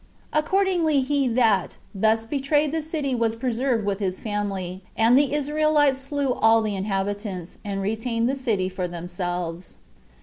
Accordingly, he that, thus betrayed the city was preserved with his family; and the Israelites slew all the inhabitants, and retained the city for themselves.